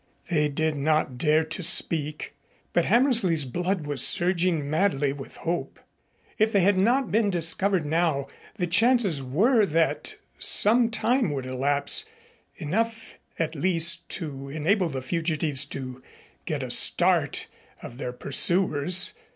They did not dare to speak, but Hammersley's blood was surging madly with hope. If they had not been discovered now, the chances were that some time would elapse, enough at least to enable the fugitives to get a good start of their pursuers.